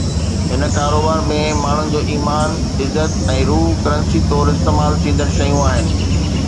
هن ڪاروبار ۾، ماڻهن جو ايمان، عزت ۽ روح ڪرنسي طور استعمال ٿيندڙ شيون آهن.